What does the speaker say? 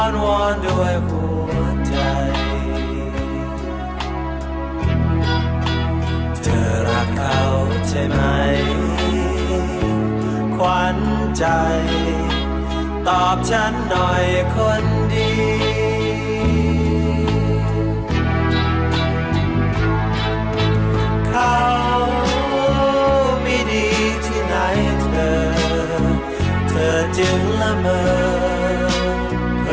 งั้นเดี๋ยวแวะไปฟังพี่นิ้นก่อนค่ะเบิร์ตกับพาร์ทครับ